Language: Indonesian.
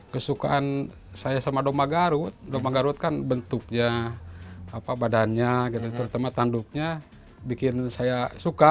kesukaan saya sama domba garut doma garut kan bentuknya badannya terutama tanduknya bikin saya suka